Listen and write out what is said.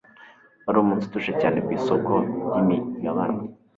Wari umunsi utuje cyane ku isoko ryimigabane.